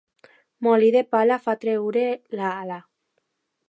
Molí de pala fa treure l'ala.